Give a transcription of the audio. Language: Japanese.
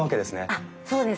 あっそうです。